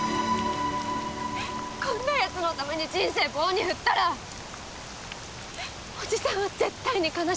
こんな奴のために人生棒に振ったらおじさんは絶対に悲しむ。